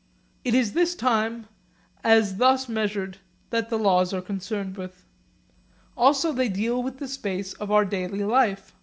It is this time as thus measured that the laws are concerned with. Also they deal with the space of our daily life.